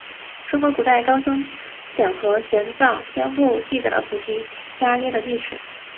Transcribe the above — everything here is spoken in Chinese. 中国古代高僧法显和玄奘先后记载了菩提伽耶的历史。